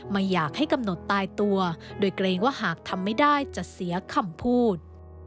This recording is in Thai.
ไม่อยากให้กำหนดตายตัวโดยเกรงว่าหากทำไม่ได้จะเสียคำพูด